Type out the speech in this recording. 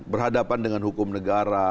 berhadapan dengan hukum negara